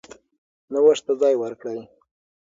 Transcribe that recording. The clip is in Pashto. نوښت ته ځای ورکړئ.